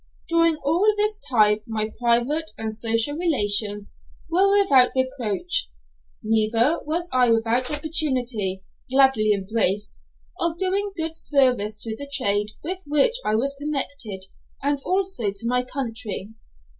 During all this time my private and social relations were without reproach; neither was I without opportunity, gladly embraced, of doing good service to the trade with which I was connected, and also to my country.